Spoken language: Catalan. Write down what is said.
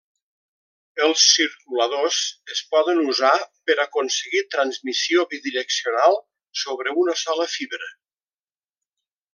Els circuladors es poden usar per aconseguir transmissió bidireccional sobre una sola fibra.